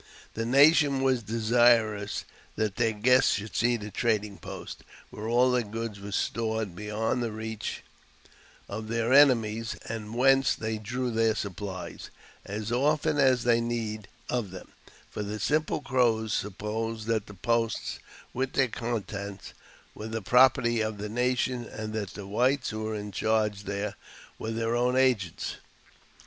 The nation was desirous that their guests should see the trading post, where all their goods were stored beyond the reach of their enemies, and whence they drew their supplies as often as they had need of them ; for the simple Crows supposed that the posts, with their contents, were the property of the nation, and that the whites who were in charge there were their own agents.